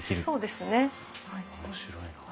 そうですねはい。